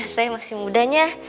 saya masih mudanya